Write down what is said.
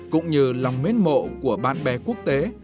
cũng như lòng mến mộ của bạn bè quốc tế